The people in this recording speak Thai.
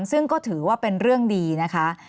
ซึ่งก็ถือว่าเป็นเรื่องดีนะคะ